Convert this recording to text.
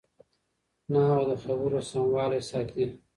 نحوه د خبرو سموالی ساتي.